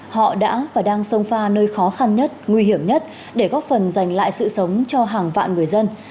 họ đã và đang sông pha nơi khó khăn nhất nguy hiểm nhất để góp phần dành lại sự sống cho hàng vạn người dân